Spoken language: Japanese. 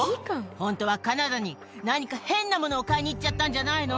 本当はカナダに何か変なものを買いに行っちゃったんじゃないの？